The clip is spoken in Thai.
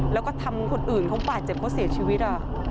แล้วก็ทำคนอื่นเขาบาดเจ็บเขาเสียชีวิต